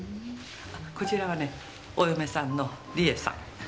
こちらはねお嫁さんの理恵さん。